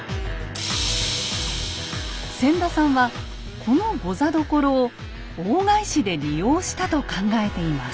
千田さんはこの御座所を大返しで利用したと考えています。